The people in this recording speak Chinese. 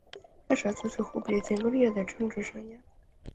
开始了追随忽必烈建功立业的政治生涯。